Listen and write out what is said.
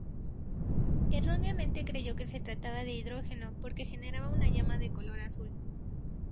Erróneamente creyó que se trataba de hidrógeno porque generaba una llama de color azul.